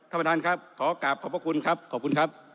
ประธานครับขอกลับขอบพระคุณครับขอบคุณครับ